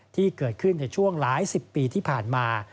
ที่เกิดขึ้นในช่วงหลายสิบปีที่ผ่านมา